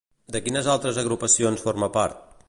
De quines altres agrupacions forma part?